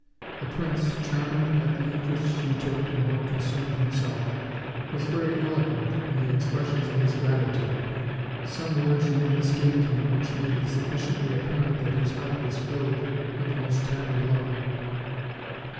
The prince, charmed at the interest she took in what con cerned himself, was very eloquent in the expressions of his gratitude; some words even escaped him which made it sufficiently apparent that his heart was filled with the most tender love.